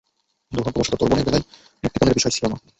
দুর্ভাগ্যবশত, তোর বোনের বেলায় মুক্তিপণের বিষয় ছিল না।